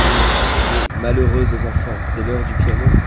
Mais, malheureuses enfants, c'est l'heure du piano !